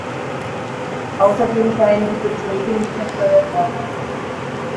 Außerdem seien die Beträge nicht versteuert worden.